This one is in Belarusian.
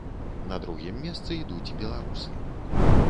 На другім месцы ідуць беларусы.